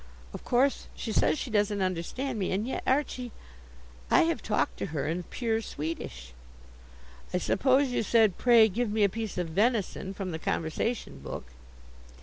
"Of course, she says she doesn't understand me. And yet, Archie, I have talked to her in pure Swedish." "I suppose you said, 'Pray give me a piece of venison,' from the conversation book."